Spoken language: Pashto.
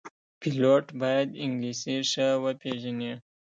پیلوټ باید انګلیسي ښه وپېژني.